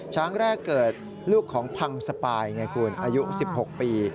ครั้งแรกเกิดลูกของพังสปายไงคุณอายุ๑๖ปี